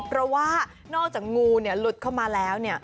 เพราะว่านอกจากงูหลุดเข้ามาแล้ว